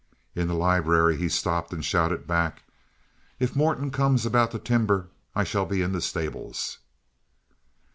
In the library he stopped and shouted back: "If Morton comes about the timber, I shall be in the stables."